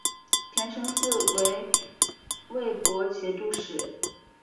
田承嗣为魏博节度使。